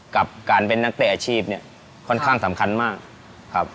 กับการเป็นนักเตะอาชีพเนี่ยค่อนข้างสำคัญมากครับ